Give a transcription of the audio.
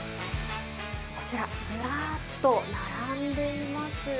こちらずらーっと並んでいますよ。